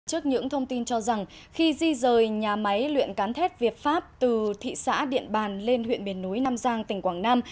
trước những thông tin cho rằng khi di rời nhà máy luyện cán thép việt pháp từ thị xã điện bàn lên huyện miền núi nam giang tỉnh quảng nam